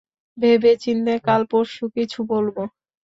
ভেবে চিন্তে, কাল পরশু কিছু বলবো।